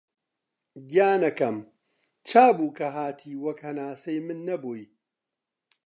گیانەکەم! چابوو کە هاتی، وەک هەناسەی من نەبووی